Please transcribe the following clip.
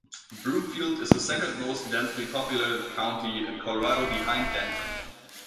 Broomfield is the second most densely populated county in Colorado behind Denver.